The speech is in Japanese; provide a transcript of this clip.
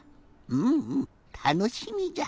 うんうんたのしみじゃ。